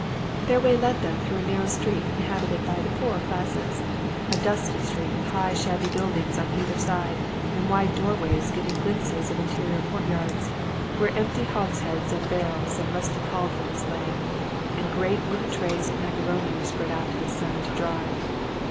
Their way led them through a narrow street inhabited by the poorer classes, a dusty street with high shabby buildings on either side and wide doorways giving glimpses of interior courtyards, where empty hogsheads and barrels and rusty caldrons lay, and great wooden trays of macaroni were spread out in the sun to dry.